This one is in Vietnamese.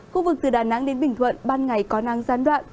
khu vực từ đà nẵng đến bình thuận ban ngày có năng gián đoạn